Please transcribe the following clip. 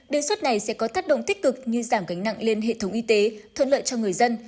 đề xuất này sẽ có tác động tích cực như giảm gánh nặng lên hệ thống y tế thuận lợi cho người dân